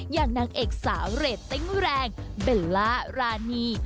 อย่างนางเอกสาวเรตติ้งแรงเบลล่ารานี